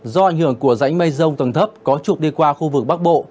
do ảnh hưởng của rãnh mây rông tầng thấp có trục đi qua khu vực bắc bộ